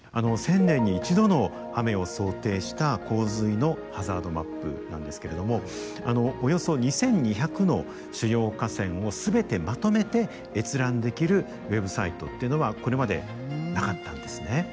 １０００年に１度の雨を想定した洪水のハザードマップなんですけれどもおよそ２，２００の主要河川を全てまとめて閲覧できるウェブサイトっていうのはこれまでなかったんですね。